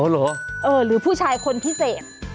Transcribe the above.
อ๋อเหรอหรือผู้ชายคนพิเศษ